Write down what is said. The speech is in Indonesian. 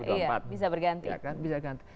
iya bisa berganti